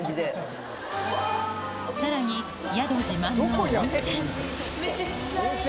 さらに宿自慢の温泉。